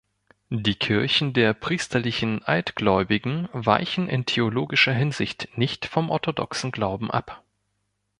Die Kirchen der priesterlichen Altgläubigen weichen in theologischer Hinsicht nicht vom orthodoxen Glauben ab.